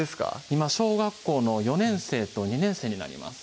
今小学校の４年生と２年生になります